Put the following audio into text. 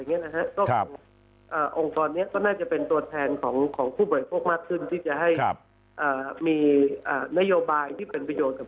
ก็คงองค์กรนี้ก็น่าจะเป็นตัวแทนของผู้บริโภคมากขึ้นที่จะให้มีนโยบายที่เป็นประโยชน์กับ